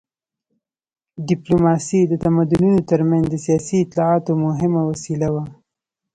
ډیپلوماسي د تمدنونو تر منځ د سیاسي اطلاعاتو مهمه وسیله وه